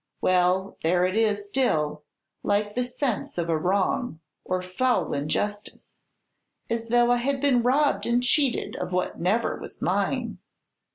Well, there it is still, like the sense of a wrong or foul injustice, as though I had been robbed and cheated of what never was mine!